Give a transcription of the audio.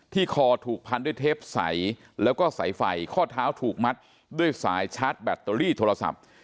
คอถูกพันด้วยเทปใสแล้วก็สายไฟข้อเท้าถูกมัดด้วยสายชาร์จแบตเตอรี่โทรศัพท์